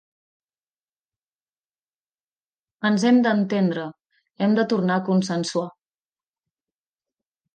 Ens hem d’entendre, hem de tornar a consensuar.